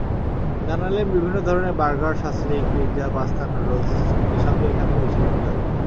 জানালেন, বিভিন্ন ধরনের বার্গার, সাসলিক, পিৎজা, পাস্তা, নুডলস—এসবই এখানে বেশি বিক্রি হয়।